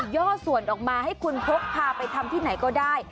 ่อส่วนออกมาให้คุณพกพาไปทำที่ไหนก็ได้